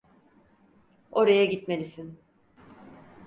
Oraya gitmelisin.